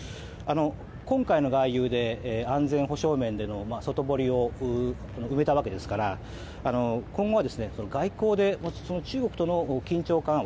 今回の外遊で安全保障面での外堀を埋めたわけですから今後は外交でその中国との緊張緩和。